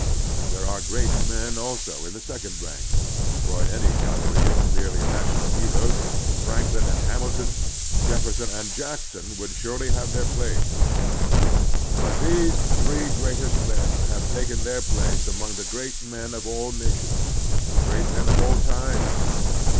There are great men also in the second rank ; for in any gallery of merely national heroes Franklin and Hamilton, Jefferson and Jackson, would surely have their place. But these three greatest men have taken their place among the great men of all nations, the great men of all time.